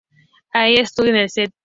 Allí estudió en el St.